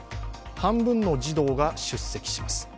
半分の児童が出席します。